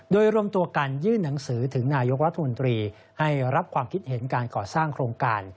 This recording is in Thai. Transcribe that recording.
โดยรวมตัวกันยื่นหนังสือถึงนายกรัฐมนตรีให้รับความคิดเห็นการก่อสร้างโครงการ